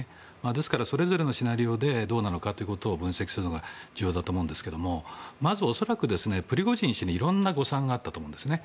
ですから、それぞれのシナリオでどうなのかというのを分析するのが重要だと思うんですけどまず恐らく、プリゴジン氏にいろんな誤算があったと思うんですね。